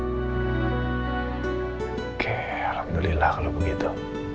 oke alhamdulillah kalau begitu